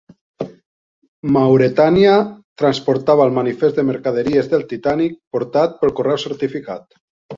"Mauretania" transportava el manifest de mercaderies del "Titànic" portat per correu certificat.